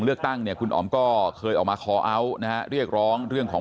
เลือกตั้งเนี่ยคุณอ๋อมก็เคยออกมาคอเอาท์นะฮะเรียกร้องเรื่องของ